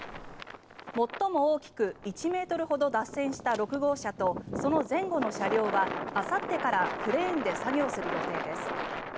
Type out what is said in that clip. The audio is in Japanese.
最も大きく１ｍほど脱線した６号車とその前後の車両はあさってからクレーンで作業する予定です。